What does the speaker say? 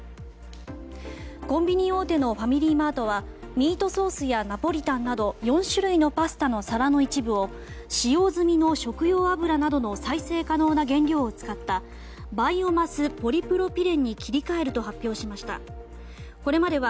コンビニ大手のファミリーマートはミートソースやナポリタンなど４種類のパスタの皿の一部を使用済みの食用油などの再生可能な原料を使ったバイオマスポリプロピレンに切り替えると発表しました。